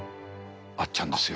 あっちゃんですよ。